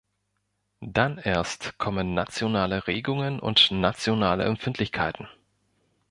Dann erst kommen nationale Regungen und nationale Empfindlichkeiten.